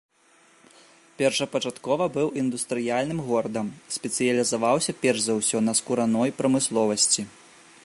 Першапачаткова быў індустрыяльным горадам, спецыялізаваўся перш за ўсё на скураной прамысловасці.